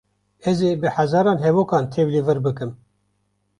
Ez ê bi hezaran hevokan tevlî vir bikim.